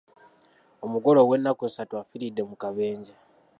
Omugole ow'ennaku essatu afiiridde mu kabenje.